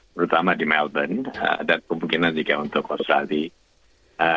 terutama di melbourne dan kemungkinan juga untuk australia